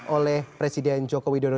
oleh presiden joko widodo